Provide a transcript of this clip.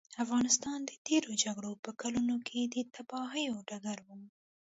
افغانستان د تېرو جګړو په کلونو کې د تباهیو ډګر و.